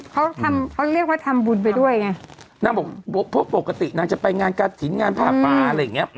เขาทำเขาเรียกว่าทำบุญไปด้วยไงนางบอกเพราะปกตินางจะไปงานกระถิ่นงานผ้าป่าอะไรอย่างเงี้ย